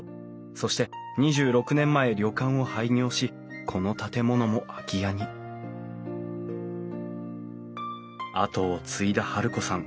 そして２６年前旅館を廃業しこの建物も空き家に跡を継いだ治子さん。